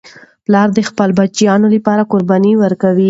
پلار د خپلو بچیانو لپاره قرباني ورکوي.